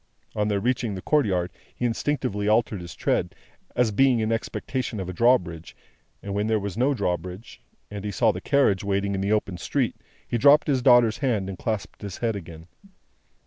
On their reaching the courtyard he instinctively altered his tread, as being in expectation of a drawbridge; and when there was no drawbridge, and he saw the carriage waiting in the open street, he dropped his daughter's hand and clasped his head again.